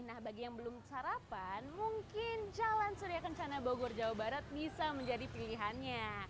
nah bagi yang belum sarapan mungkin jalan surya kencana bogor jawa barat bisa menjadi pilihannya